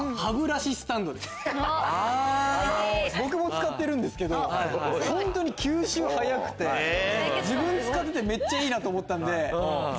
僕も使ってるんですけど本当に吸収早くて自分使っててめっちゃいいなと思ったんで。